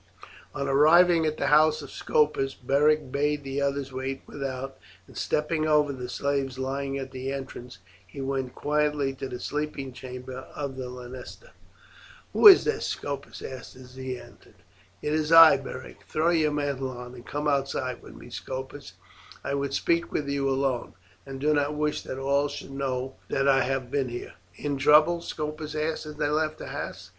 On arriving at the house of Scopus Beric bade the others wait without, and stepping over the slaves lying at the entrance, he went quietly to the sleeping chamber of the lanista. "Who is this?" Scopus asked as he entered. "It is I, Beric; throw your mantle on and come outside with me, Scopus. I would speak with you alone, and do not wish that all should know that I have been here." "In trouble?" Scopus asked as they left the house.